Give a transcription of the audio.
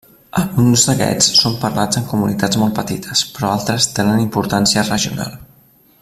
Alguns d'aquests són parlats en comunitats molt petites, però altres tenen importància regional.